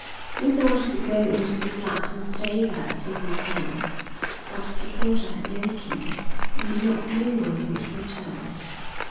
Lucy wanted to go into the flat and stay there till he came, but the porter had no key and did not know when he would return.